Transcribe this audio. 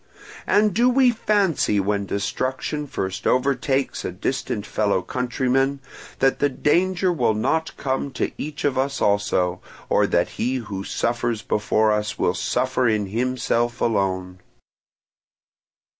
And do we fancy when destruction first overtakes a distant fellow countryman that the danger will not come to each of us also, or that he who suffers before us will suffer in himself alone?